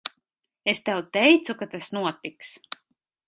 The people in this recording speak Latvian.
Es tev teicu, ka tas notiks.